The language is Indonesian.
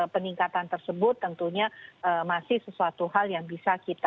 peningkatan tersebut tentunya masih sesuatu hal yang bisa kita